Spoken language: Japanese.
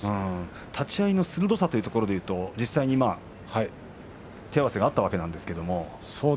立ち合いの鋭さというところでいいますと手合わせがあったわけですけれど。